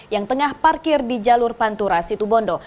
yang tengah parkir di jalur pantura situbondo